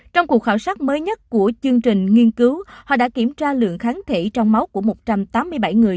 trong cuộc khảo sát mới nhất của chương trình nghiên cứu họ đã kiểm tra lượng kháng thể trong máu của một trăm tám mươi bảy người